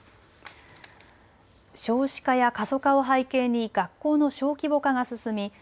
少子化や過疎化を背景に学校の小規模化が進み